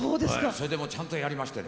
それでもうちゃんとやりましてね。